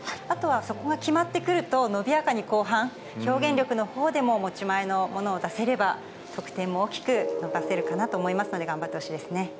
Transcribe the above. あとはそこが決まってくると、伸びやかに後半、表現力のほうでも、持ち前のものを出せれば、得点も大きく伸ばせるかなと思いますので、頑張ってほしいですね。